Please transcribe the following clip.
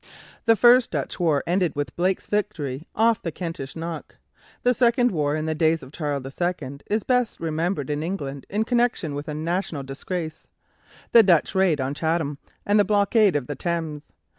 The first Dutch war ended with Blake's victory off the Kentish Knock. The second war, in the days of Charles II, is best remembered in England in connection with a national disgrace, the Dutch raid on Chatham and the blockade of the Thames.